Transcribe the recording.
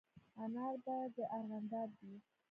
انار په د ارغانداب دي